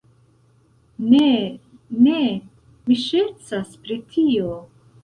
Ne, ne, mi ŝercas pri tio